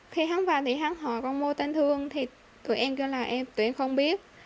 khi hắn vào thì hắn hỏi con mô tên thương thì tụi em kêu là em tụi em không biết